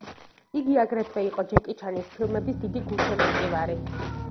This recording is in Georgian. იგი აგრეთვე იკო ჯეკი ჩანის ფილმების დიდი გულშემატკივარი.